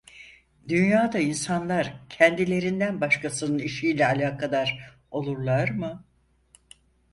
Dünyada insanlar kendilerinden başkasının işiyle alakadar olurlar mı?